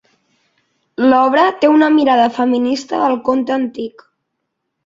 L'obra té una mirada feminista del conte antic.